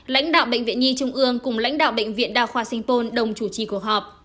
lãnh đạo bệnh viện nhi trung ương cùng lãnh đạo bệnh viện đa khoa sinh pôn đồng chủ trì cuộc họp